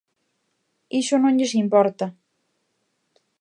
Iso non lles importa.